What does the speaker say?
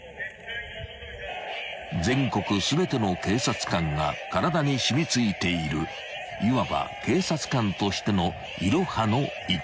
［全国全ての警察官が体に染み付いているいわば警察官としての「いろは」の「い」］